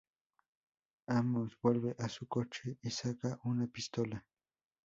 Amos vuelve a su coche y saca una pistola.